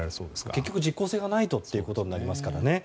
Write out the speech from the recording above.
結局、実効性がないとということですからね。